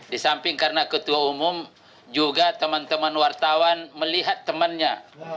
di samping karena ketua umum juga teman teman wartawan melihat temannya